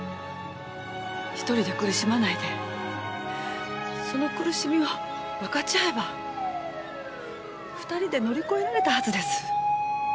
一人で苦しまないでその苦しみを分かち合えば２人で乗り越えられたはずです。